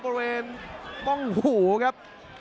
บุเรนป้องหูครับ